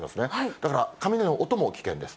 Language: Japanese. だから雷の音も危険です。